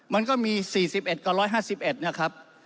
มันก็มี๔๑กับ๑๕๑นะครับ